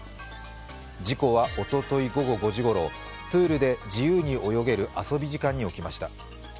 事故は、おととい午後５時ごろ、プールで自由に泳げる遊び時間に起きました。